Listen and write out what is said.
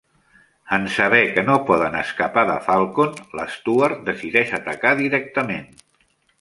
En saber que no poden escapar de Falcon, l'Stuart decideix atacar directament.